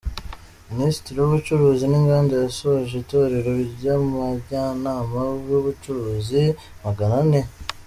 Minisitiri w’Ubucuruzi n’Inganda yasoje itorero ry’abajyanama b’ubucuruzi Maganane